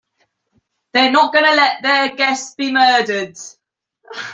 They’re not going to let their guests be murdered.